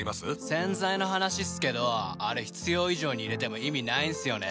洗剤の話っすけどあれ必要以上に入れても意味ないんすよね。